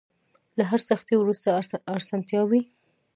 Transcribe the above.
له هرې سختۍ وروسته ارسانتيا وي.